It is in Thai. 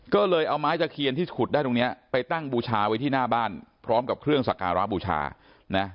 ก็เลยเอาไม้ตะเคียนที่ขุดได้ตรงนี้ไปตั้งบูชาไว้ที่หน้าบ้านพร้อมกับเครื่องสักการะบูชานะ